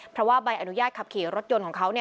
เพราะว่าใบอนุญาตขับขี่รถยนต์ของเขา